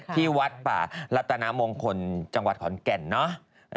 ที่วัดป่ารัตนามงคลจังหวัดขอนแก่นเนาะ